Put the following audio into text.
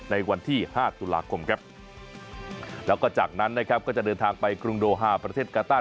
ในวันที่๕ตุลาคมครับแล้วก็จากนั้นนะครับก็จะเดินทางไปกรุงโดฮาประเทศกาต้า